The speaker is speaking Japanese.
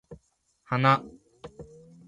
花